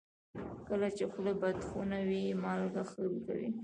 کله چې خوله بدخوند وي، مالګه ښه کوي.